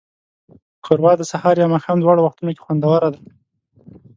ښوروا د سهار یا ماښام دواړو وختونو کې خوندوره ده.